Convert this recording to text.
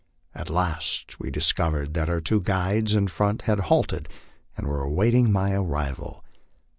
At last we discovered that our two guides in front had halted, and Avere awaiting my arrival.